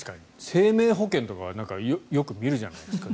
生命保険とかはよく見るじゃないですか。